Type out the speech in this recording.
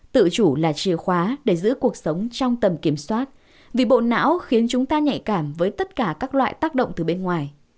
tự chủ là chìa khóa để giữ cuộc sống trong tầm kiểm soát vì bộ não khiến chúng ta nhạy cảm với tất cả các loại tác động từ bên ngoài